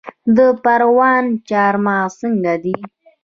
د پروان چارمغز څنګه دي؟